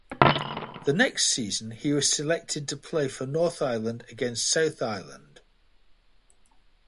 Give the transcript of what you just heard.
The next season he was selected to play for North Island against South Island.